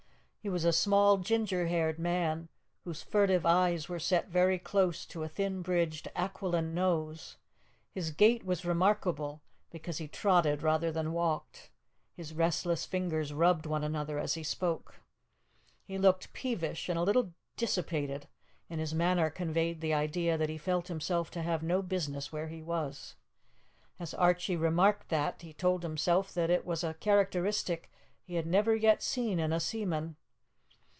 He was a small ginger haired man, whose furtive eyes were set very close to a thin bridged, aquiline nose; his gait was remarkable because he trotted rather than walked; his restless fingers rubbed one another as he spoke. He looked peevish and a little dissipated, and his manner conveyed the idea that he felt himself to have no business where he was. As Archie remarked that, he told himself that it was a characteristic he had never yet seen in a seaman.